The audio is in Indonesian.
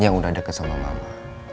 yang udah dekat sama mama